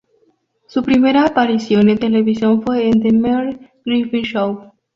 Su primera aparición en televisión fue en The Merv Griffin Show.